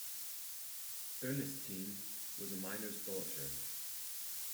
Ernestine was a miner's daughter.